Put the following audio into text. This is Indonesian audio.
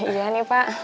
iya nih pak